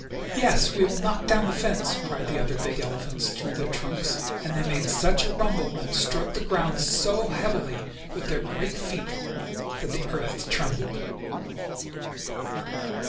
"Yes, we will knock down the fence!" cried the other big elephants through their trunks. And they made such a rumble, and struck the ground so heavily with their great feet, that the earth trembled.